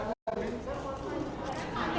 ขอต้องการข้าม้างครับ